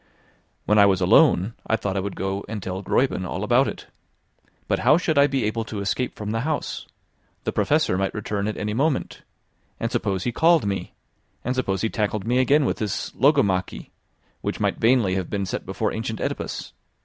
When I was alone, I thought I would go and tell Gräuben all about it. But how should I be able to escape from the house? The Professor might return at any moment. And suppose he called me? And suppose he tackled me again with this logomachy, which might vainly have been set before ancient Oedipus.